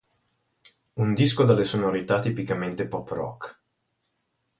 Un disco dalle sonorità tipicamente Pop rock.